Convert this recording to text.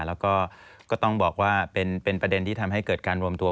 แล้วก็ก็ต้องบอกว่าเป็นประเด็นที่ทำให้เกิดการรวมตัว